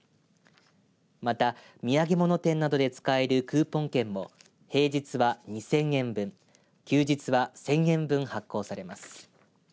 また、土産物店などで使えるクーポン券も平日は２０００円分休日は１０００円分発行されます。